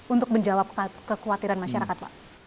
untuk menjawab kekhawatiran masyarakat pak